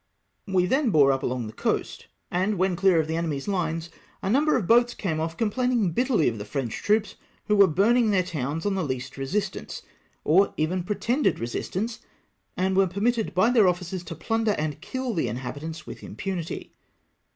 We then bore up along the coast, and when clear of the enemy's hnes, a number of boats came off com plaining bitterly of the French troops who were burning their towns on the least resistance, or even pretended resistance, and were permitted by their officers to plun der and kill the inhabitants with unpunity.